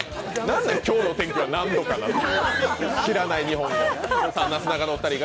何で今日の天気は何度かなって。